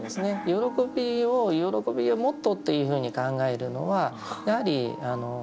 喜びをもっとっていうふうに考えるのはやはりあの。